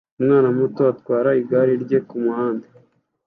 Umwana muto atwara igare rye kumuhanda